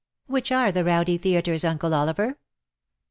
" Which are the rowdy theatres, Uncle Oliver?"